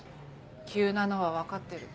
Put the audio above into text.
急なのは分かってる。